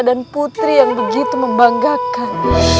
dan putri yang begitu membanggakan